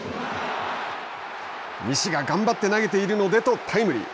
西が頑張って投げているのでとタイムリー。